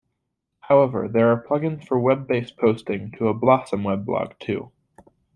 However, there are plugins for web-based posting to a Blosxom weblog, too.